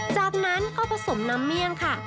จากนั้นก็ผสมน้ำเมี่ยงค่ะ